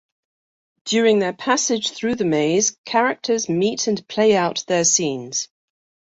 During their passage through the maze, characters meet and play out their scenes.